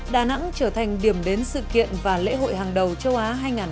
đà nẵng trở thành điểm đến sự kiện và lễ hội hàng đầu châu á hai nghìn hai mươi bốn